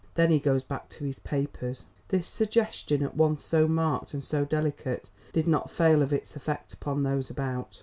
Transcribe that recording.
Then he goes back to his papers. This suggestion, at once so marked and so delicate, did not fail of its effect upon those about.